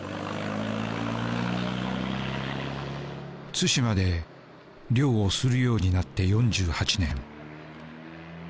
対馬で漁をするようになって４８年。